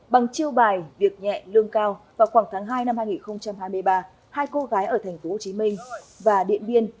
bằng chiêu bài việc nhẹ lương cao vào khoảng tháng hai năm hai nghìn hai mươi ba hai cô gái ở thành phố hồ chí minh và điện viên